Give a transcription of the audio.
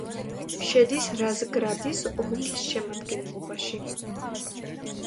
შედის რაზგრადის ოლქის შემადგენლობაში.